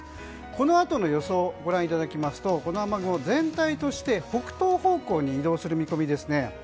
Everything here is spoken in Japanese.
このあとの予想をご覧いただきますとこの雨雲は全体として北東方向に移動する見込みです。